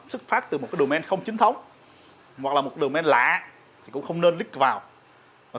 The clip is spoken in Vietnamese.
xuất phát từ một cái domain không chính thống hoặc là một domain lạ thì cũng không nên click vào và